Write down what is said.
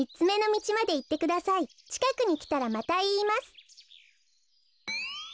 ちかくにきたらまたいいます。